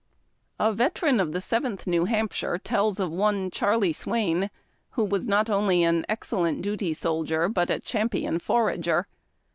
A veteran of the Seventh New Hampshire tells of one Charley Swain, who was not only an excellent duty soldier, A DILEMMA. but a champion forager.